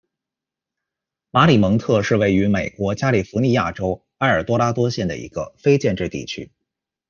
马里蒙特是位于美国加利福尼亚州埃尔多拉多县的一个非建制地区。